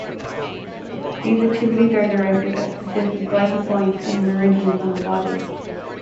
These activities are directed at specific vital points and meridians on the body.